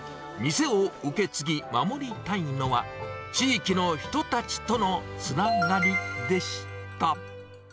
店を受け継ぎ守りたいのは、地域の人たちとのつながりでした。